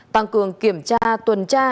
tăng cường kiểm tra tuần tra